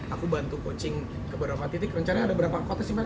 aku bantu coaching ke beberapa titik rencananya ada berapa kota sih pak